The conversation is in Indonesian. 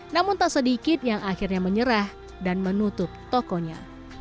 namun tak sedikit yang akhirnya menyerah dan menutup tokonya